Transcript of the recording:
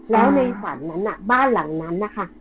แล้วในฝันนั้นน่ะบ้านหลังนั้นนะคะ